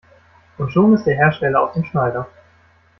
Und schon ist der Hersteller aus dem Schneider.